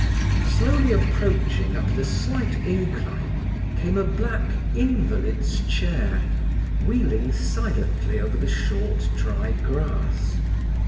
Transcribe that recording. Slowly approaching up the slight incline came a black invalid's chair, wheeling silently over the short dry grass.